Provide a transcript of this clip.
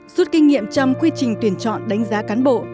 suốt kinh nghiệm trong quy trình tuyển chọn đánh giá cán bộ